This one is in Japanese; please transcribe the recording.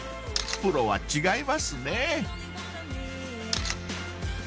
［プロは違いますね］